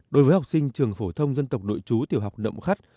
đối với học sinh trường phổ thông dân tộc đội trú tiểu học nậm khắt